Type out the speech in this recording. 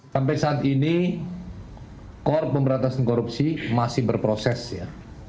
sampai saat ini korp pemberantasan korupsi masih berproses ya